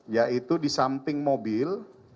yaitu di samping mobil